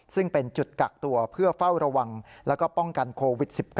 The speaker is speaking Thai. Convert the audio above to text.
ซึ่งเป็นจุดกักตัวเพื่อเฝ้าระวังแล้วก็ป้องกันโควิด๑๙